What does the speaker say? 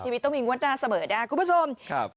วิตมิงวัตราเสมอได้คุณผู้ชม